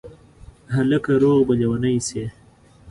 هلکه روغ به لېونی شې